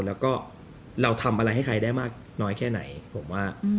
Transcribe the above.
แล้วก็เราทำอะไรให้ใครได้มากน้อยแค่ไหนผมว่า